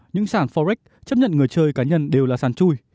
những sản forex chấp nhận người chơi cá nhân đều là sản chui